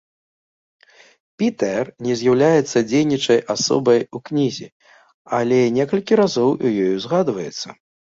Пітэр не з'яўляецца дзейнічаючай асобай у кнізе, але некалькі разоў у ёй узгадваецца.